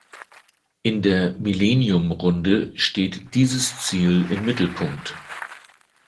In der Millennium-Runde steht dieses Ziel im Mittelpunkt.